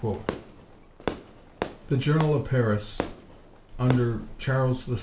The Journal of Paris, under Charles VI.